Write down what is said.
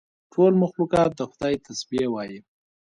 ټول مخلوقات د خدای تسبیح وایي.